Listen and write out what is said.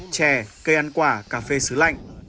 chè cây ăn quả cà phê xứ lạnh